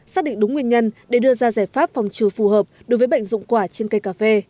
xác định đúng nguyên nhân để đưa ra giải pháp phòng trừ phù hợp đối với bệnh dụng quả trên cây cà phê